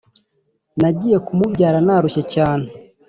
Nagiye kumubyara narushye cyane